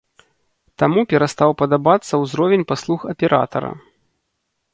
Таму перастаў падабацца ўзровень паслуг аператара.